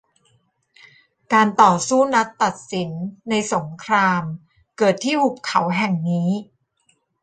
การต่อสู้นัดตัดสินในสงครามเกิดที่หุบเขาแห่งนี้